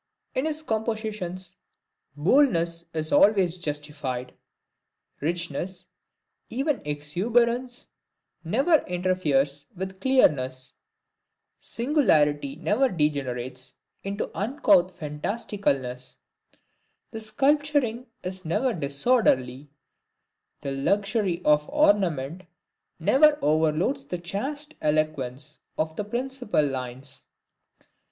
In his compositions, boldness is always justified; richness, even exuberance, never interferes with clearness; singularity never degenerates into uncouth fantasticalness; the sculpturing is never disorderly; the luxury of ornament never overloads the chaste eloquence of the principal lines.